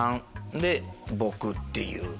で僕っていう。